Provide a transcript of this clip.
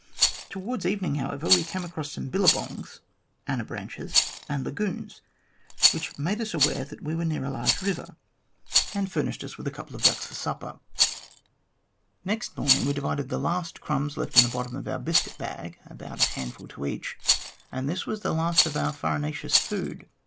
Towards evening, however, we came across some billabongs {anabranches) and lagoons, which made us aware that we were near a large river, and furnished us with a couple of ducks for THE EXPERIENCES OF A PIONEER SQUATTER 91 supper. Next morning we divided the last crumbs left in the bottom of our biscuit bag, about a handful to each, and this was the last of our farinaceous food.